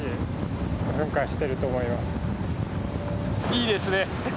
いいですね。